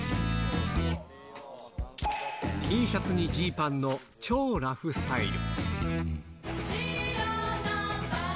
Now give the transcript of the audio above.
Ｔシャツにジーパンの超ラフスタイル。